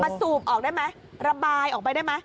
สูบออกได้ไหมระบายออกไปได้ไหม